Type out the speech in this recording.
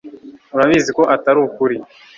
urabizi ko atari ukuri